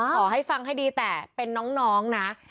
ขอให้ฟังให้ดีแต่เป็นน้องนะ